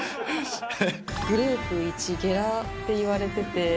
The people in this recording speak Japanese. グループ一、ゲラって言われてて。